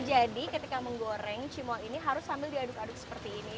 jadi ketika menggoreng cimol ini harus sambil diaduk aduk seperti ini